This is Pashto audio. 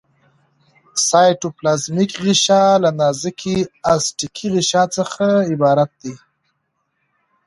سایټوپلازمیک غشا له نازکې الستیکي غشا څخه عبارت ده.